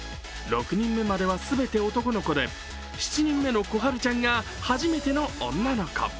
６人目まではすべて男の子で７人目のこはるちゃんが初めての女の子。